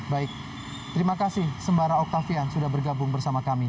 baik terima kasih sembara octavian sudah bergabung bersama kami